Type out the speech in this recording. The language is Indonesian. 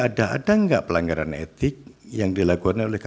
ada ada nggak pelanggaran etik yang dilakukan oleh kpk